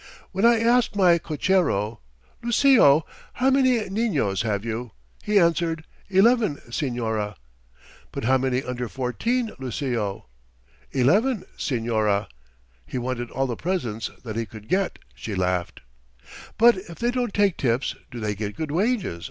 When I asked my cochero, 'Lucio, how many niños have you?' he answered, 'Eleven, señora.' 'But how many under fourteen, Lucio?' 'Eleven, señora!' He wanted all the presents that he could get," she laughed. "But if they don't take tips, do they get good wages?"